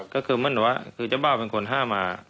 ก็คือมั่นแต่ว่าเจ้าบ่าวเป็นคนห้ามหา